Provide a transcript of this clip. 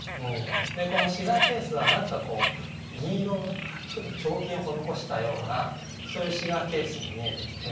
このシガーケースは何か銀色の彫金を施したようなそういうシガーケースに見えてきて。